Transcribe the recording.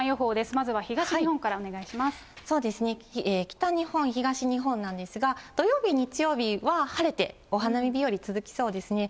まずは東日本からお願い北日本、東日本なんですが、土曜日、日曜日は晴れてお花見日和続きそうですね。